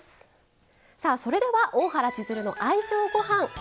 さあそれでは「大原千鶴の愛情ごはん」。